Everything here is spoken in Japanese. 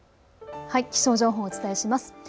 気象情報をお伝えします。